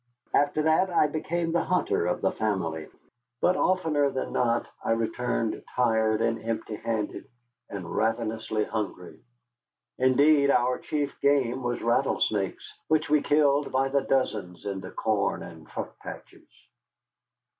After that I became the hunter of the family; but oftener than not I returned tired and empty handed, and ravenously hungry. Indeed, our chief game was rattlesnakes, which we killed by the dozens in the corn and truck patches.